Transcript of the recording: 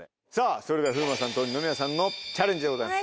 それでは風磨さんと二宮さんのチャレンジでございます。